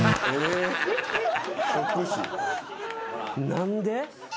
何で？